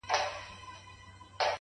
علم د فکر ځواک دی